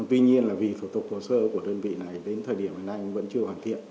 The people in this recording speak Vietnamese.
tuy nhiên là vì thủ tục hồ sơ của đơn vị này đến thời điểm hiện nay vẫn chưa hoàn thiện